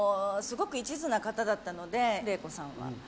すごく一途な方だったので麗子さんは。